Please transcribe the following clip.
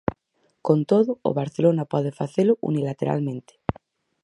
Con todo, o Barcelona pode facelo unilateralmente.